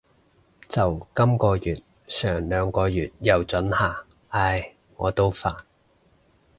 就今个月，上兩個月又准下。唉，我都煩